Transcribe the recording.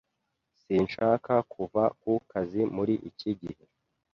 Sinshaka kuva ku kazi muri iki gihe.